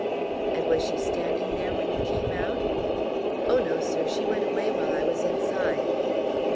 "And was she standing there when you came out?" "Oh, no, sir; she went away while I was inside."